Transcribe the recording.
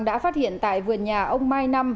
đã phát hiện tại vườn nhà ông mai năm